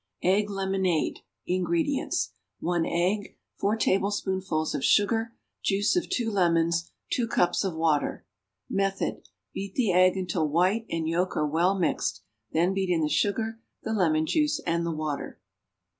=Egg Lemonade.= INGREDIENTS. 1 egg. 4 tablespoonfuls of sugar. Juice of 2 lemons. 2 cups of water. Method. Beat the egg until white and yolk are well mixed; then beat in the sugar, the lemon juice and the water.